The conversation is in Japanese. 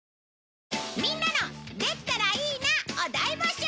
みんなの「できたらいいな」を大募集！